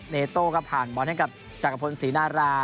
โต้ก็ผ่านบอลให้กับจักรพลศรีนารา